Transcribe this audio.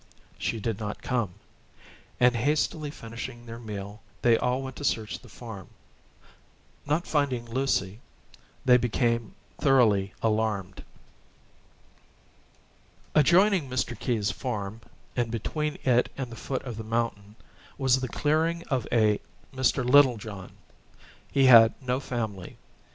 She did not come; and hastily finishing their meal, they all went to search the farm. Not finding Lucy, they became thoroughly alarmed. Adjoining Mr. Keyes' farm, and between it and the foot of the mountain, was the clearing of a Mr. Littlejohn. He had no family.